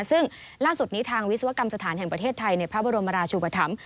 ซึ่งล่าสุดนี้ทางวิศวกรรมสถานแห่งประเทศไทยในพระบรมราชุปธรรม